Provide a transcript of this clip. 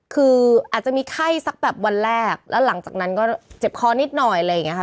คืออาจจะมีไข้สักแบบวันแรกแล้วหลังจากนั้นก็เจ็บคอนิดหน่อยอะไรอย่างนี้ค่ะ